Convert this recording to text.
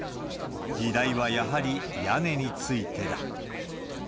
議題はやはり屋根についてだ。